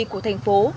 của thành phố